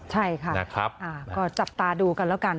ใช่ค่ะก็จับตาดูกันแล้วกัน